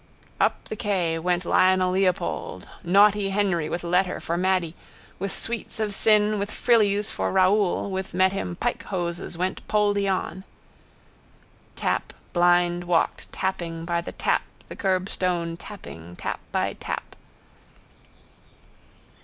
Up the quay went Lionelleopold, naughty Henry with letter for Mady, with sweets of sin with frillies for Raoul with met him pike hoses went Poldy on. Tap blind walked tapping by the tap the curbstone tapping, tap by tap.